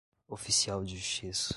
oficial de justiça